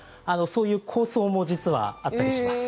そういう構想も実はあったりします。